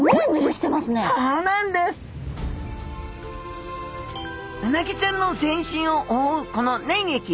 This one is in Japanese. うなぎちゃんの全身を覆うこの粘液。